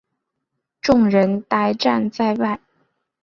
众人呆站在外